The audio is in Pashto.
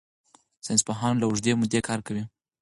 ساینسپوهان له اوږدې مودې کار کوي.